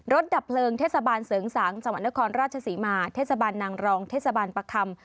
ดับเพลิงเทศบาลเสริงสางจังหวัดนครราชศรีมาเทศบาลนางรองเทศบาลประคำ